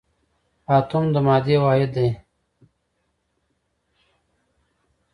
اتوم د مادې واحد دی